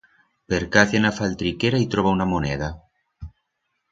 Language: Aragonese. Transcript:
Percacia en a faltriquera y troba una moneda.